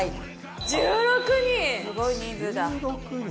すごい人数だ。